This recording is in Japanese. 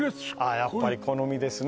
やっぱり好みですね